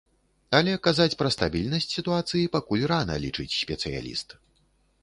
Але казаць пра стабільнасць сітуацыі пакуль рана, лічыць спецыяліст.